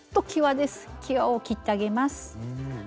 きわを切ってあげます。